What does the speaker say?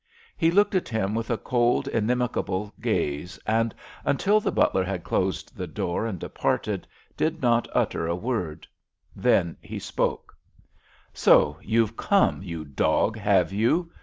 He looked at him with a cold, inimical gaze, and until the butler had closed the door and departed, did not utter a word, Then he spoke: "So you've come, you dog, have you!"